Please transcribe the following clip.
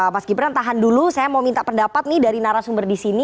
mas gibran tahan dulu saya mau minta pendapat nih dari narasumber di sini